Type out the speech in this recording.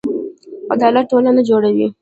عدالت ټولنه جوړوي